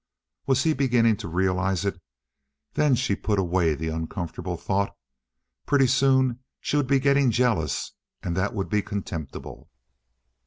Was he beginning to realize it? Then she put away the uncomfortable thought; pretty soon she would be getting jealous, and that would be contemptible.